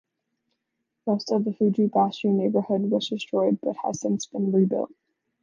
Most of the Fuji-Bashi neighborhood was destroyed but has since been rebuilt.